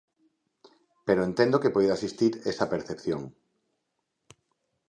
Pero entendo que poida existir esa percepción.